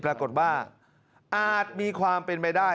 ปรากฏว่าอาจมีความเป็นไปได้